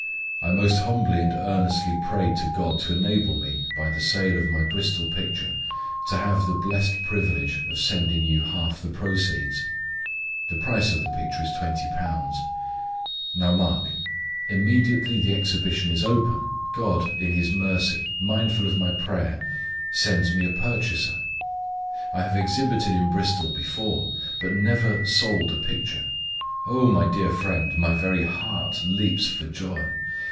I most humbly and earnestly prayed to God to enable me, by the sale of my Bristol picture, to have the blessed privilege of sending you half the proceeds. The price of the picture is £20. Now mark. Immediately the exhibition is open, God, in His mercy, mindful of my prayer, sends me a purchaser. I have exhibited in Bristol before, but never sold a picture. Oh! my dear friend, my very heart leaps for joy.